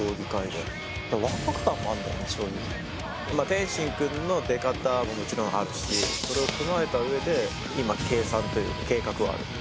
天心君の出方ももちろんあるしそれを踏まえたうえで、倒すという計画はある。